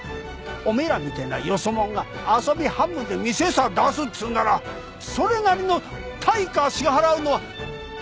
お前らみてえなよそ者が遊び半分で店さ出すっつうんならそれなりの対価支払うのは当然だべ！